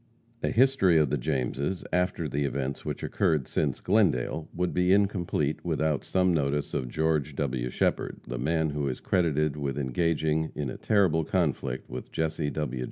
A history of the Jameses, after the events which occurred since Glendale, would be incomplete without some notice of George W. Shepherd, the man who is credited with engaging in a terrible conflict with Jesse W.